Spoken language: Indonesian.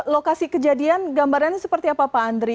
lokasi kejadian gambarannya seperti apa pak andri